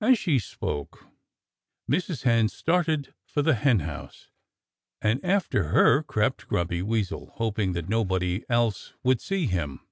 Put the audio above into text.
As she spoke, Mrs. Hen started for the henhouse. And after her crept Grumpy Weasel, hoping that nobody else would see him.